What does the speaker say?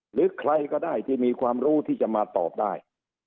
หรือใครก็ได้ที่มีความรู้ที่จะมาตอบได้